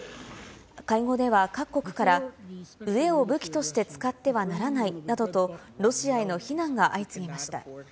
会合では、各国から飢えを武器として使ってはならないなどと、ロシアへの非難が相次ぎました。